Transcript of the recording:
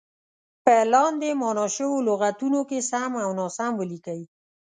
په لاندې معنا شوو لغتونو کې سم او ناسم ولیکئ.